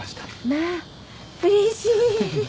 まあうれしい。